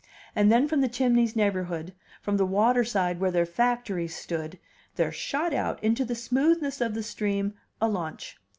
And then from the chimney's neighborhood, from the waterside where their factories stood, there shot out into the smoothness of the stream a launch.